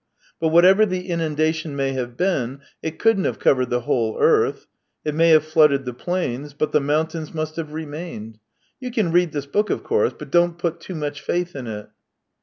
But whatever the inundation may have been, it couldn't have covered the whole earth. It may have flooded the plains, but the mountains must have remained. You can read this book, of course, but don't put too much faith in it."